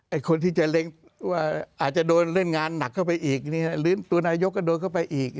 คนที่จะเล็งว่าอาจจะโดนเล่นงานหนักเข้าไปอีกหรือตัวนายกก็โดนเข้าไปอีก